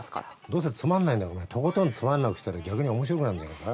どうせつまんないんだからとことんつまんなくしたら逆に面白くなんじゃねえか？